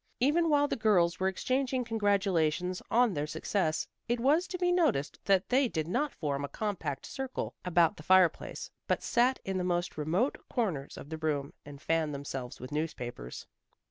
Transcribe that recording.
Even while the girls were exchanging congratulations on their success, it was to be noticed that they did not form a compact circle about the fireplace, but sat in the most remote corners of the room, and fanned themselves with newspapers.